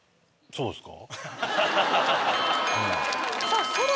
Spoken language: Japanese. そうですね。